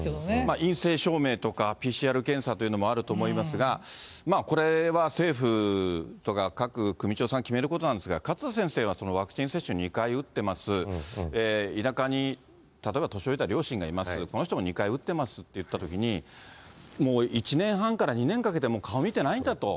陰性証明とかＰＣＲ検査というのもあると思いますが、これは政府とか、各首長さん決めることなんですが、勝田先生は、ワクチン接種２回打ってます、田舎に例えば年老いた両親がいます、この人も２回打ってますっていったときに、もう１年半から２年かけて、顔見てないんだと。